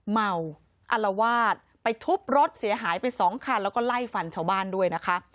เมาอลวาดไปทุบรถเสียหายไปสองคันแล้วก็ไล่ฟันชาวบ้านด้วยนะคะ